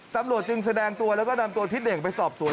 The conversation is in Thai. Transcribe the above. ตำรวจจึงแสดงตัวแล้วก็นำตัวทิศเด่งไปสอบสวน